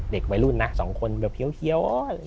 เด็กวัยรุ่นนะสองคนแบบเคี้ยว